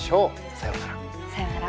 さようなら。